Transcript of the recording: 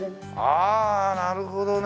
ああなるほどね！